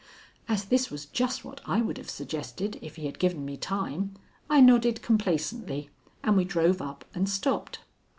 As this was just what I would have suggested if he had given me time, I nodded complacently, and we drove up and stopped.